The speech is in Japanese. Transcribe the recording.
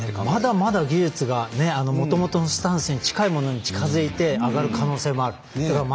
まだまだ、技術がもともとのスタンスに近いものに近づいて、上がる可能性もある。